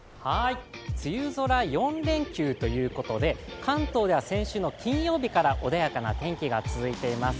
梅雨空４連休ということで、関東では先週の金曜日から穏やかな天気が続いています。